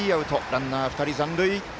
ランナー２人残塁。